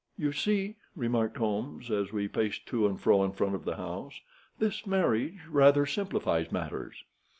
"You see," remarked Holmes, as we paced to and fro in front of the house, "this marriage rather simplifies matters.